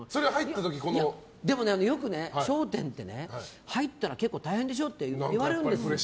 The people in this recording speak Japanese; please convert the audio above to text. でも、よく「笑点」って入ったら大変でしょ？って言われるんですよ。